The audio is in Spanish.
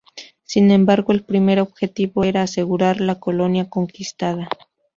Sin embargo, el primer objetivo era asegurar la colonia conquistada.